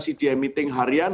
cdi meeting harian